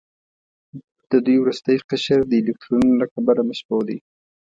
د دوی وروستی قشر د الکترونونو له کبله مشبوع دی.